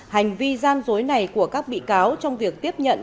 hành vi gian dối này của các bị cáo trong việc tiếp nhận